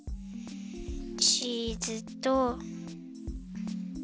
チーズと。